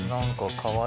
かわいい！